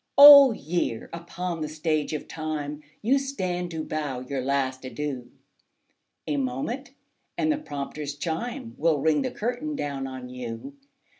Old Year! upon the Stage of Time You stand to bow your last adieu; A moment, and the prompter's chime Will ring the curtain down on you.